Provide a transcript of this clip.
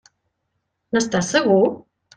N'estàs segur?